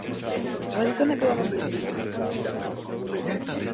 Průmysl v Evropě trpí nadměrnou regulací a byrokracií.